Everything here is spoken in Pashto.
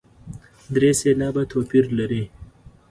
درې سېلابه توپیر لري.